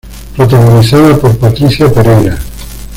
Protagonizada por Patricia Pereyra.